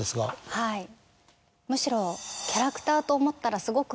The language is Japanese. はいむしろ。